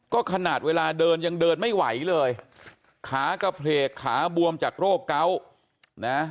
ก็ขนาดเวลาเดินยังเดินไม่ไหวเลยขากระเพลกขาบวมจากโรคเกาะนะ